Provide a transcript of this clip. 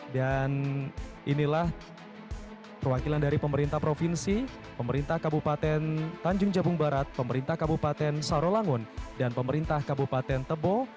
dan inilah perwakilan dari pemerintah provinsi pemerintah kabupaten tanjung jabung barat pemerintah kabupaten sarawangun dan pemerintah kabupaten tebo